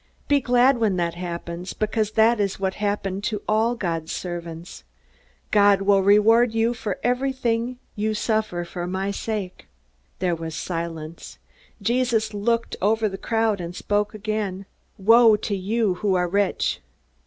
Be glad when that happens, because that is what has happened to all God's servants. God will reward you for everything you suffer for my sake." There was silence. Jesus looked out over the crowd and spoke again, "Woe to you who are rich!"